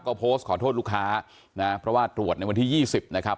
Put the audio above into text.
ก็โพสต์ขอโทษลูกค้านะเพราะว่าตรวจในวันที่๒๐นะครับ